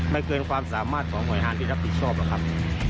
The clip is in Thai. เกินความสามารถของหน่วยงานที่รับผิดชอบหรอกครับ